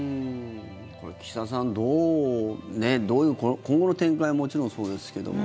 これ岸田さん、どういう今後の展開はもちろんそうですけども。